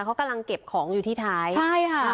เขากำลังเก็บของอยู่ที่ท้ายใช่ค่ะ